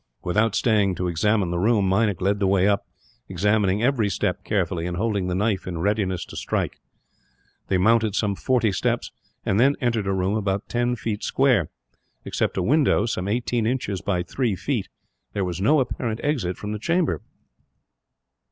Without staying to examine the room, Meinik led the way up; examining every step carefully, and holding the knife in readiness to strike. They mounted some forty steps, and then entered a room about ten feet square. Except a window, some eighteen inches by three feet, there was no apparent exit from the chamber.